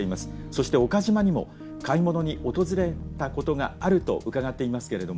そして岡島にも買い物に訪れたことがあると伺っていますけれども。